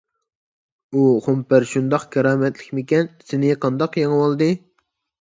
ئۇ خۇمپەر شۇنداق كارامەتلىكمىكەن؟ سېنى قانداق يېڭىۋالدى؟